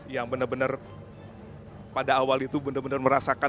yang benar benar berpengalaman